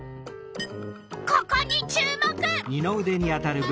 ここに注目！